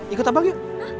ikut abang yuk